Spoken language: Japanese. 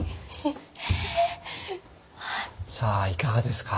えっ⁉さあいかがですか？